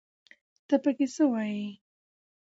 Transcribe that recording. ته پکې څه وايې